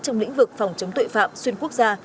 trong lĩnh vực phòng chống tội phạm xuyên quốc gia